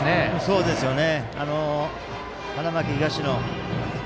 そうですね。